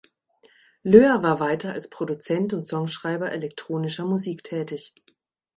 Löhr war weiter als Produzent und Songschreiber elektronischer Musik tätig.